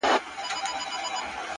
هره ورځ د نوې بدلون امکان لري,